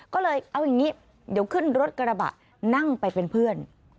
ก็เลยเอาอย่างนี้เดี๋ยวขึ้นรถกระบะนั่งไปเป็นเพื่อน